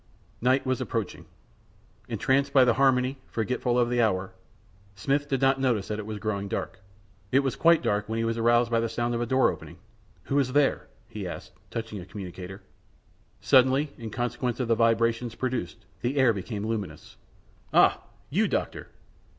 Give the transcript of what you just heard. Night was approaching. Entranced by the harmony, forgetful of the hour, Smith did not notice that it was growing dark. It was quite dark when he was aroused by the sound of a door opening. "Who is there?" he asked, touching a commutator. Suddenly, in consequence of the vibrations produced, the air became luminous. "Ah! you, Doctor?"